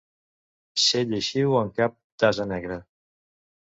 Ser lleixiu en cap d'ase negre.